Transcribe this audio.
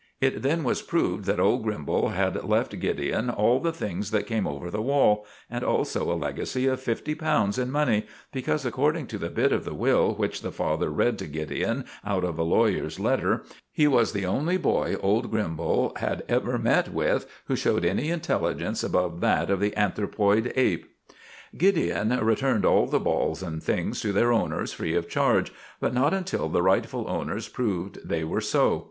It then was proved that old Grimbal had left Gideon all the things that came over the wall, and also a legacy of fifty pounds in money, because, according to the bit of the will which the Doctor read to Gideon out of a lawyer's letter, he was the only boy old Grimbal had ever met with who showed any intelligence above that of the anthropoid ape. Gideon returned all the balls and things to their owners free of charge, but not until the rightful owners proved they were so.